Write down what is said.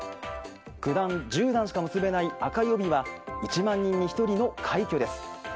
九段、十段しか結べない赤い帯は１万人に１人の快挙です。